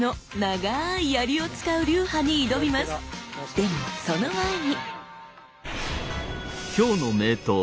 でもその前に！